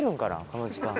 この時間。